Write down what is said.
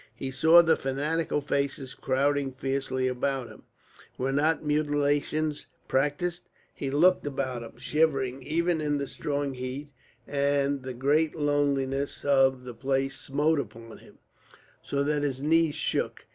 He saw the fanatical faces crowding fiercely about him ... were not mutilations practised?... He looked about him, shivering even in that strong heat, and the great loneliness of the place smote upon him, so that his knees shook.